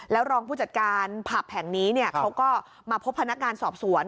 รองผู้จัดการผับแห่งนี้เขาก็มาพบพนักงานสอบสวน